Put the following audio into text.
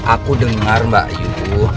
aku dengar mbak yum